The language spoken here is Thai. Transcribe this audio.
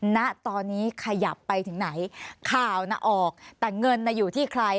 ณตอนนี้ขยับไปถึงไหนข่าวน่ะออกแต่เงินน่ะอยู่ที่ใคร